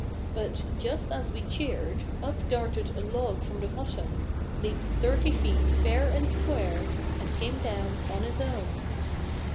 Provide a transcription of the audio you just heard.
But, just as we cheered, Up darted a log from the bottom, Leaped thirty feet fair and square, And came down on his own.